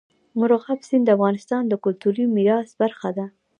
مورغاب سیند د افغانستان د کلتوري میراث برخه ده.